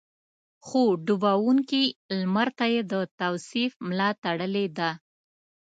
خو ډوبېدونکي لمر ته يې د توصيف ملا تړلې ده.